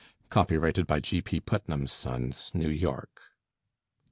Copyrighted by G.P. Putnam's Sons, New York.